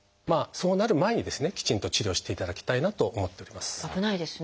そうなる前にですねきちんと治療していただきたいなと思っております。